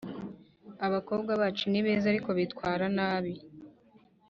abakobwa bacu ni beza ariko bitwara nabi